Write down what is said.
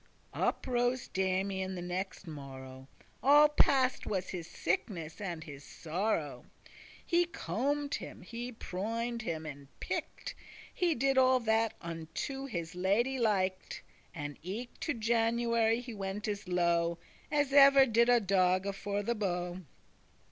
Up rose Damian the nexte morrow, All passed was his sickness and his sorrow. He combed him, he proined <20> him and picked, He did all that unto his lady liked; And eke to January he went as low As ever did a dogge for the bow.